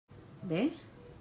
Bé?